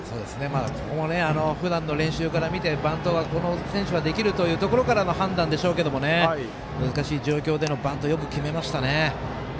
ここもふだんの練習から見てバントがこの選手はできるというところからの判断でしょうけれど難しい状況でのバントをよく決めました。